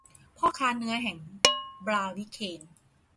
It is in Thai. พ่อค้าเนื้อแห่งบลาวิเคน